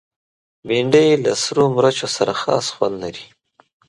بېنډۍ له سرې مرچو سره خاص خوند لري